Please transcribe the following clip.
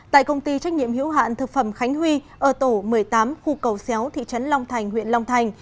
tại công ty trách nhiệm hữu hạn thực phẩm khánh huy ở tổ một mươi tám khu cầu xéo thị trấn long thành huyện long thành